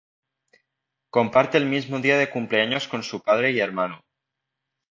Comparte el mismo día de cumpleaños con su padre y hermano.